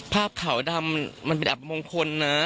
ภาพขาวดำมันเป็นอับมงคลนะ